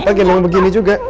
papa gendong begini juga